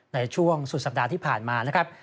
ในช่วงสุดสัปดาห์ที่ผ่านมานะครับ